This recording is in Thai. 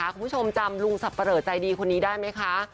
คุณผู้ชมจำลุงสับปะเหลอใจดีคนนี้ได้ไหมคะ